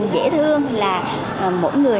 dễ thương là mỗi người